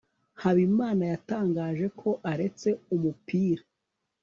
habimana yatangaje ko aretse umupira